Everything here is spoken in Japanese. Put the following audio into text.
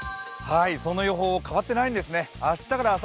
その予報変わっていないんですね。